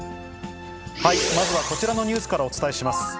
まずはこちらのニュースからお伝えします。